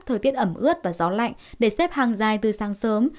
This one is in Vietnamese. thời tiết ẩm ướt và gió lạnh để xếp hàng dài từ sáng sớm